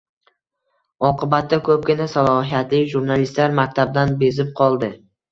Oqibatda ko‘pgina salohiyatli jurnalistlar maktabdan bezib qoldi.